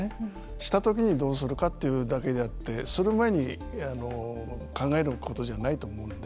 したときにどうするかというだけであってする前に考えることじゃないと思うので